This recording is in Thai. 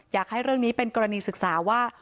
อยากให้เรื่องนี้เป็นกรณีศึกษาว่า